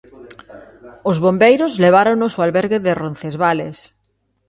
Os bombeiros leváronos ao albergue de Roncesvales.